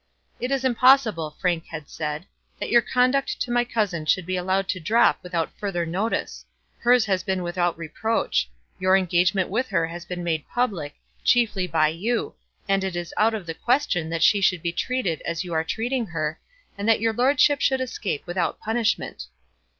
"It is impossible," Frank had said, "that your conduct to my cousin should be allowed to drop without further notice. Hers has been without reproach. Your engagement with her has been made public, chiefly by you, and it is out of the question that she should be treated as you are treating her, and that your lordship should escape without punishment."